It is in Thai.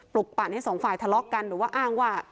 ลุกปั่นให้สองฝ่ายทะเลาะกันหรือว่าอ้างว่า